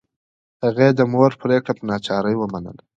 هغې د مور پریکړه په ناچارۍ ومنله